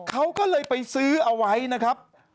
เขาก็เลยไปซื้อเอาไว้นะครับ